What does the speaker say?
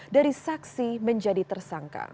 dari saksi menjadi tersangka